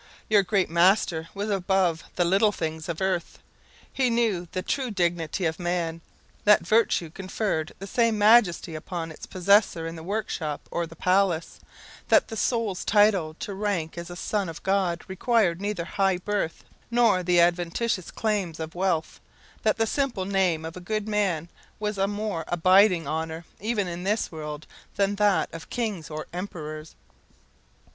Your great Master was above the little things of earth; he knew the true dignity of man that virtue conferred the same majesty upon its possessor in the workshop or the palace that the soul's title to rank as a son of God required neither high birth, nor the adventitious claims of wealth that the simple name of a good man was a more abiding honour, even in this world, than that of kings or emperors.